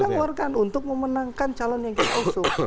kita keluarkan untuk memenangkan calon yang kita usung